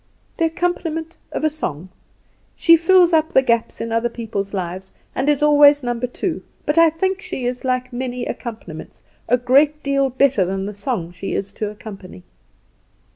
"The accompaniment of a song. She fills up the gaps in other people's lives, and is always number two; but I think she is like many accompaniments a great deal better than the song she is to accompany."